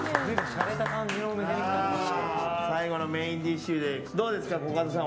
最後のメインディッシュでどうですか？